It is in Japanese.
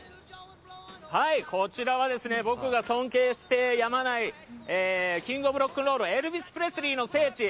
こちらは僕が尊敬してやまないキング・オブ・ロックンロールのエルヴィス・プレスリーの聖地